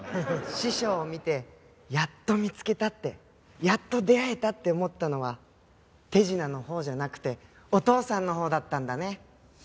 師匠を見てやっと見つけたってやっと出会えたって思ったのは手品のほうじゃなくてお父さんのほうだったんだね。